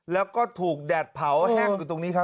แล้วก็ถูกแดดเผาแห้งอยู่ตรงนี้ครับ